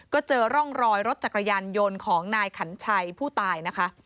ก็เจอร่องรอยรถจักรยานยนต์ของนายขันชัยผู้ตายนะคะ